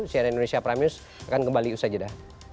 cnn indonesia prime news akan kembali usai jeda